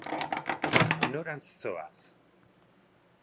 Norantz zoaz?